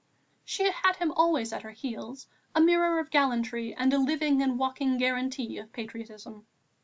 She had him always at her heels, a mirror of gallantry and a living and walking guarantee of patriotism.